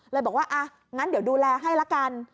เลยบอกว่าอ่ะงั้นเดี๋ยวดูแลให้ละกัน